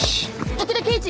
竹田刑事！